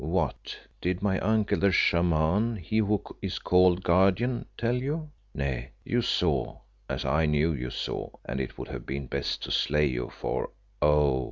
"What! Did my uncle, the Shaman, he who is called Guardian, tell you? Nay, you saw, as I knew you saw, and it would have been best to slay you for, oh!